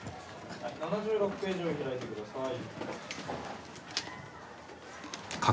７６ページを開いてください。